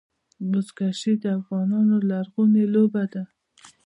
بزکشي د افغانانو لرغونې لوبه ده.